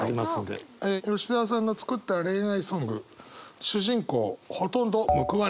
吉澤さんの作った恋愛ソング主人公ほとんど報われない。